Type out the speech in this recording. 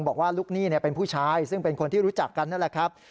บอกว่าลูกหนี้เป็นผู้ชายซึ่งเป็นคนที่รู้จักกันนั่นแหละครับ